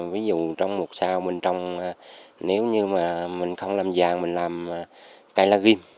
ví dụ trong một sao bên trong nếu như mà mình không làm vàng mình làm cây lá ghim